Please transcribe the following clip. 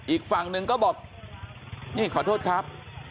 อีกฝั่งหนึ่งก็บอกนี่ขอโทษครับ